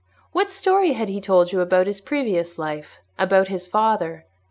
"What story had he told about his previous life—about his father?"